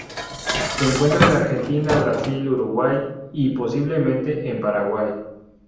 Se encuentra en Argentina, Brasil, Uruguay y, posiblemente, en Paraguay.